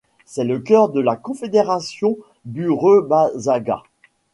C'est le cœur de la Confédération Burebasaga.